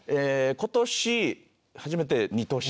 今年初めて２都市。